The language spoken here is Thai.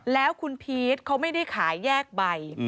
แล้วคุณพีชเขาไม่ได้ขายแยกใบ